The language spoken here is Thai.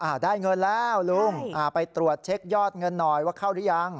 ได้เงินแล้วลุงไปตรวจเช็คยอดเงินหน่อยว่าเข้าหรือยัง